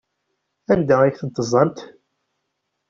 Anda ay ten-teẓẓamt?